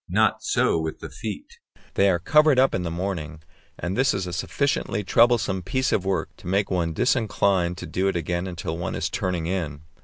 Not so with the feet; they are covered up in the morning, and this is a sufficiently troublesome piece of work to make one disinclined to undo it again until one is turning in.